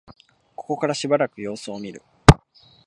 ここからしばらく様子を見る